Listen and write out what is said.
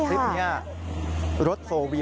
ก็เป็นสำคลิปนะสำคลิปนี้